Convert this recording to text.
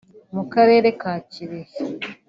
mu karere ka Kirehe